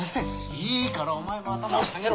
いいからお前も頭を下げろ！